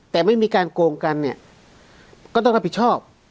แต่ไม่มีการโกงกันเนี่ยก็ต้องรับผิดชอบ